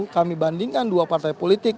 kami bandingkan dua partai politik